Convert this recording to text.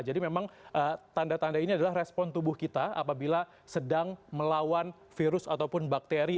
jadi memang tanda tanda ini adalah respon tubuh kita apabila sedang melawan virus ataupun bakteri